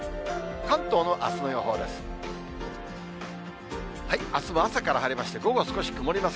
関東のあすの予報です。